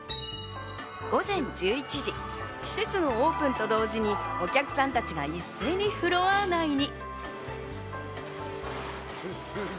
午前１１時、施設のオープンとともに、お客さんが一斉にフロア内に。